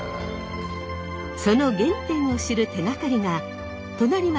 その原点を知る手がかりが隣町